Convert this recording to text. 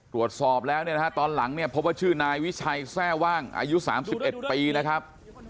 ตรวจสอบแล้วตอนหลังพบว่าชื่อนายวิชัยแทร่ว่างอายุ๓๑ปีนะครับ